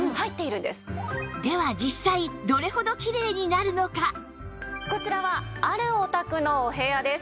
では実際こちらはあるお宅のお部屋です。